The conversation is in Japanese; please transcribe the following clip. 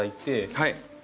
はい。